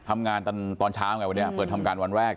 ทำงานตอนเช้าไงวันนี้เปิดทำการวันแรก